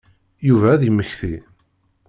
Yuba ad d-yemmekti.